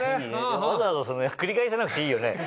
わざわざ繰り返さなくていいよね。